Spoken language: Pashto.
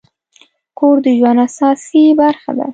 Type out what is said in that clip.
کور د ژوند اساسي برخه ده.